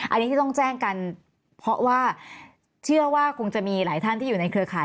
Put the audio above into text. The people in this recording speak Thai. อันนี้ที่ต้องแจ้งกันเพราะว่าเชื่อว่าคงจะมีหลายท่านที่อยู่ในเครือข่าย